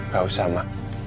gak usah ma